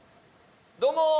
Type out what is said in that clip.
どうもー！